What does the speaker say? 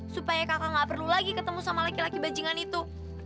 supaya kakak gak perlu lagi ketemu sama laki laki bajingan itu